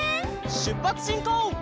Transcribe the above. しゅっぱつしんこう！